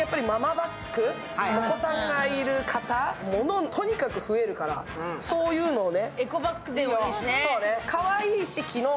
お子さんがいる方、物がとにかく増えるからそういうのをね。